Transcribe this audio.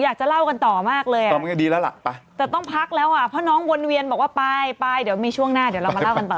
อยากจะเล่ากันต่อมากเลยอ่ะตอนนี้ดีแล้วล่ะไปแต่ต้องพักแล้วอ่ะเพราะน้องวนเวียนบอกว่าไปไปเดี๋ยวมีช่วงหน้าเดี๋ยวเรามาเล่ากันต่อ